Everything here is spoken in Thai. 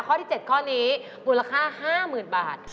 ข้อที่๗ข้อนี้มูลค่า๕๐๐๐บาท